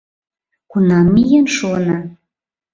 Кунам миен шуына?»